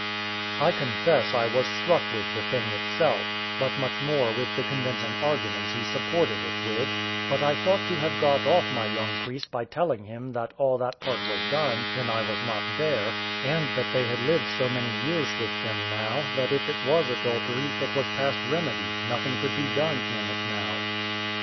I confess I was struck with the thing itself, but much more with the convincing arguments he supported it with; but I thought to have got off my young priest by telling him that all that part was done when I was not there: and that they had lived so many years with them now, that if it was adultery, it was past remedy; nothing could be done in it now.